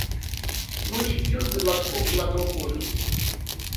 Ночь пьет за глотком глоток он.